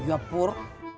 jangan pergi apur